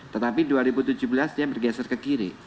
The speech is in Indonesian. tetapi dua ribu tujuh belas dia bergeser ke kiri